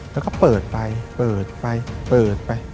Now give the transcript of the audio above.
แล้วก็เปิดไปเปิดไปเปิดไป